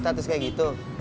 status kayak gitu